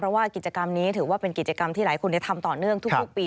เพราะว่ากิจกรรมนี้ถือว่าเป็นกิจกรรมที่หลายคนทำต่อเนื่องทุกปี